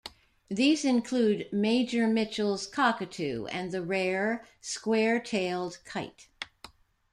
These include Major Mitchell's cockatoo and the rare square-tailed kite.